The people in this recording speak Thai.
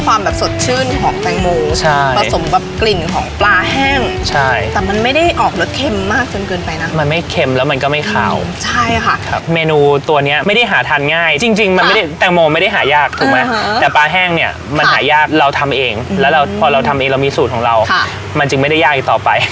ความแบบสดชื่นของแตงโมใช่ผสมกับกลิ่นของปลาแห้งใช่แต่มันไม่ได้ออกรสเค็มมากจนเกินไปนะมันไม่เค็มแล้วมันก็ไม่ขาวใช่ค่ะครับเมนูตัวเนี้ยไม่ได้หาทานง่ายจริงจริงมันไม่ได้แตงโมไม่ได้หายากถูกไหมแต่ปลาแห้งเนี่ยมันหายากเราทำเองแล้วเราพอเราทำเองเรามีสูตรของเราค่ะมันจึงไม่ได้ยากอีกต่อไป